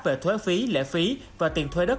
về thuế phí lễ phí và tiền thuê đất